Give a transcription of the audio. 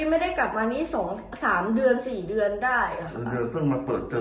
ไม่ได้กลับมาไม่กี่เดือนอ่ะ